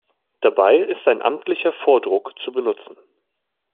Dabei ist ein amtlicher Vordruck zu benutzen.